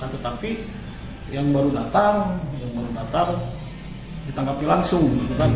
tetapi yang baru datang yang baru datang ditangkapi langsung